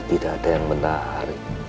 tidak ada yang menarik